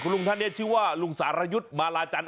ลุงท่านนี้ชื่อว่าลุงสารยุทธ์มาลาจันท